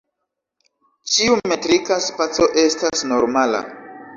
Ĉiu metrika spaco estas normala.